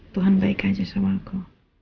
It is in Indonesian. tuhan baik aja sama aku